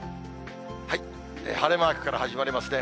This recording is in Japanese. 晴れマークから始まりますね。